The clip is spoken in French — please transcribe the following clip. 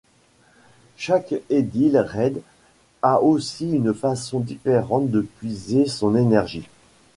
Chaque Edil Raid a aussi une façon différente de puiser son énergie.